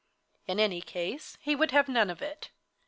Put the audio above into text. In any case he would have none of it.